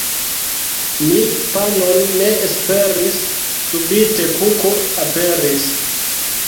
Mi panon ne esperis, subite kuko aperis.